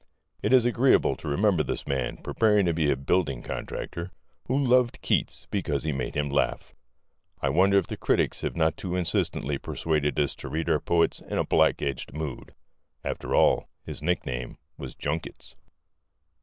It is agreeable to remember this man, preparing to be a building contractor, who loved Keats because he made him laugh. I wonder if the critics have not too insistently persuaded us to read our poet in a black edged mood? After all, his nickname was "Junkets."